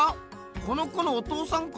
この子のお父さんか？